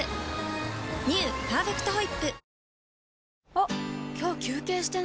「パーフェクトホイップ」